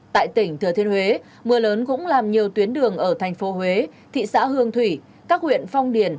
tại tỉnh thừa thiên huế mưa lớn cũng làm nhiều tuyến đường ở thành phố huế thị xã hương thủy các huyện phong điền